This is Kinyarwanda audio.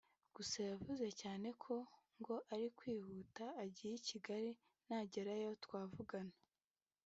gusa yavuze cyane ko ngo arimo kwihuta agiye i Kigali nagerayo twavugana